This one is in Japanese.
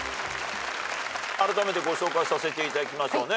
あらためてご紹介させていただきましょうね。